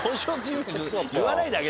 言わないであげてよ。